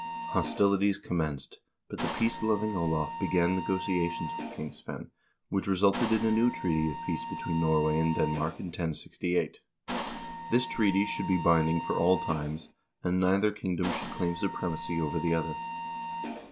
Hostilities commenced, but the peace loving Olav began negotiations with King Svein, which resulted in a new treaty of peace between Norway and Denmark in 1068. This treaty should be binding for all times, and neither kingdom should claim supremacy over the other.